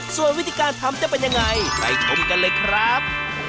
ส่วนวิธีการทำจะเป็นยังไงไปชมกันเลยครับ